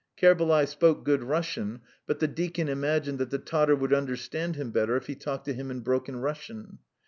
Kerbalay spoke good Russian, but the deacon imagined that the Tatar would understand him better if he talked to him in broken Russian.